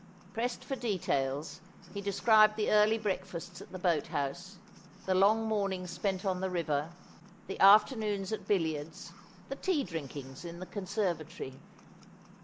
Pressed for details, he described the early breakfasts at the boat house, the long mornings spent on the river, the afternoons at billiards, the tea drinkings in the conservatory.